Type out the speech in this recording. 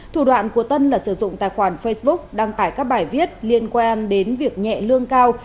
thủ đoạn của tân là sử dụng tài khoản facebook đăng tải các bài viết liên quan đến việc nhẹ lương cao